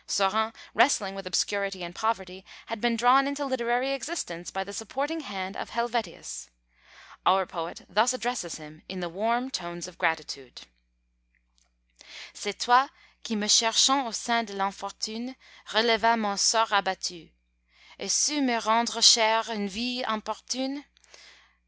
Saurin, wrestling with obscurity and poverty, had been drawn into literary existence by the supporting hand of Helvetius. Our poet thus addresses him in the warm tones of gratitude: C'est toi qui me cherchant au sein de l'infortune, Relevas mon sort abattu, Et sus me rendre chÃẀre une vie importune.